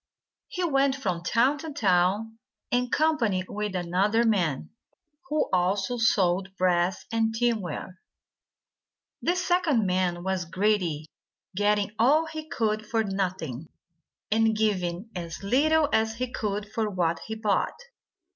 He went from town to town, in company with another man, who also sold brass and tinware. This second man was greedy, getting all he could for nothing, and giving as little as he could for what he bought.